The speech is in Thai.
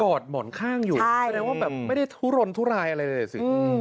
อดหมอนข้างอยู่แสดงว่าแบบไม่ได้ทุรนทุรายอะไรเลยสิ